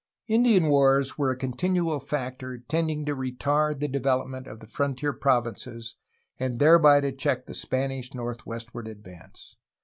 Indian wars were a continual factor tending to retard the development of the frontier provinces and thereby to check the Spanish northwestward advance.